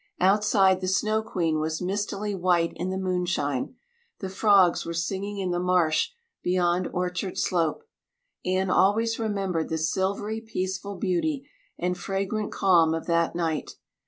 Outside the Snow Queen was mistily white in the moonshine; the frogs were singing in the marsh beyond Orchard Slope. Anne always remembered the silvery, peaceful beauty and fragrant calm of that night.